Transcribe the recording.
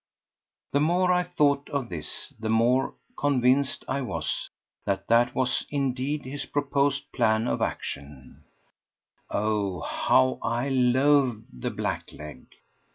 The more I thought of this the more convinced I was that that was, indeed, his proposed plan of action—oh, how I loathed the blackleg!